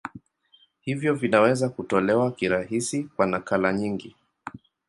Hivyo vinaweza kutolewa kirahisi kwa nakala nyingi.